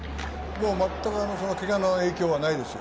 まったく、けがの影響はないですよ。